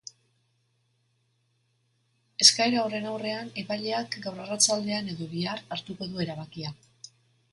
Eskaera horren aurrean, epaileak gaur arratsaldean edo bihar hartuko du erabakia.